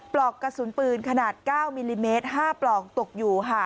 ปลอกกระสุนปืนขนาด๙มิลลิเมตร๕ปลอกตกอยู่ค่ะ